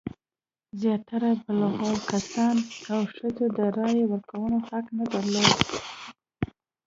زیاتره بالغو کسانو او ښځو د رایې ورکونې حق نه درلود.